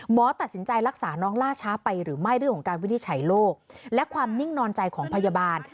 ตัดสินใจรักษาน้องล่าช้าไปหรือไม่เรื่องของการวินิจฉัยโรคและความนิ่งนอนใจของพยาบาล